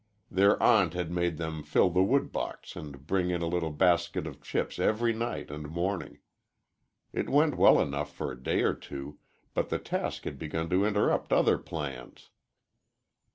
Their aunt had made them fill the wood box and bring in a little basket of chips every night and morning. It went well enough for a day or two, but the task had begun to interrupt other plans.